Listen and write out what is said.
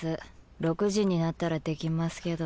６時になったらできますけど。